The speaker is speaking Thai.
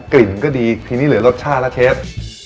กลิ่นก็ดีทีนี้เหลือรสชาติแล้วเชฟ